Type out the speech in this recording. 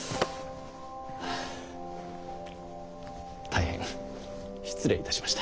大変失礼いたしました。